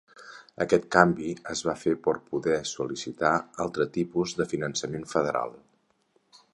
Aquest canvi es va fer por poder sol·licitar altre tipus de finançament federal.